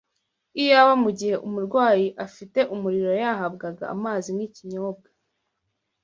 Iyaba mu gihe umurwayi afite umuriro yahabwaga amazi nk’ikinyobwa